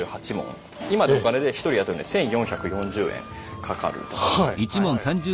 今のお金で１人雇うのに１，４４０円かかると。